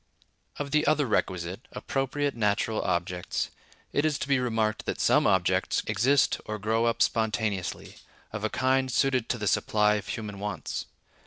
Of the other requisite—appropriate natural objects—it is to be remarked that some objects exist or grow up spontaneously, of a kind suited to the supply of human wants.